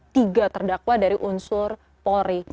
tiga terdakwa dari unsur polri